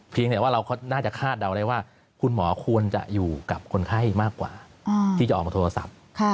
แต่ว่าเราน่าจะคาดเดาได้ว่าคุณหมอควรจะอยู่กับคนไข้มากกว่าที่จะออกมาโทรศัพท์